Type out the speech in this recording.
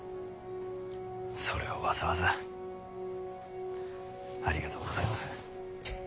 それはわざわざありがとうございまする。